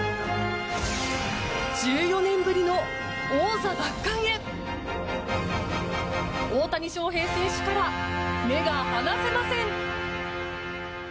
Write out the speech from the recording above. １４年ぶりの王座奪還へ大谷翔平選手から目が離せません。